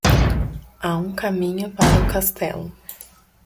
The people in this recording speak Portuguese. Há um caminho para o castelo.